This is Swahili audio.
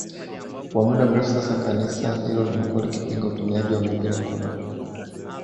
wa muda mrefu sasa kanisa hilo limekuwa likipinga utumiaji wa mipira kondom